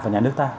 và nhà nước ta